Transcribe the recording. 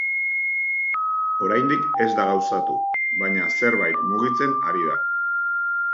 Oraindik ez da gauzatu, baina zerbait mugitzen ari da.